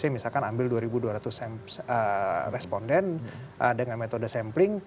misalkan ambil dua dua ratus responden dengan metode sampling